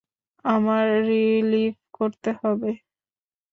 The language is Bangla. আমার রিফিল করতে হবে।